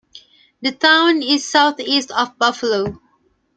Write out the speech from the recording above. The town is southeast of Buffalo.